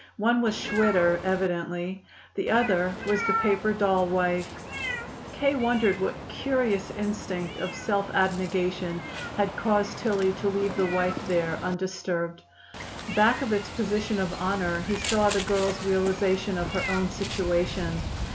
One was Schwitter, evidently. The other was the paper doll wife. K. wondered what curious instinct of self abnegation had caused Tillie to leave the wife there undisturbed. Back of its position of honor he saw the girl's realization of her own situation.